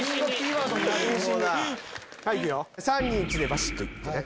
３・２・１でバシっといってね。